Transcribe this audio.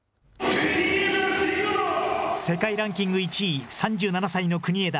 世界ランキング１位、３７歳の国枝。